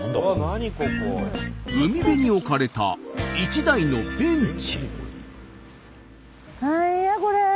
海辺に置かれた一台のベンチ。